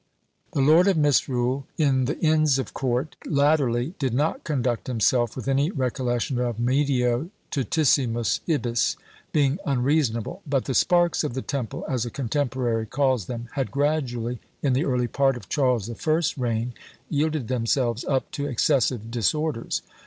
" "The Lord of Misrule," in the inns of court, latterly did not conduct himself with any recollection of "Medio tutissimus ibis," being unreasonable; but the "sparks of the Temple," as a contemporary calls them, had gradually, in the early part of Charles the First's reign, yielded themselves up to excessive disorders.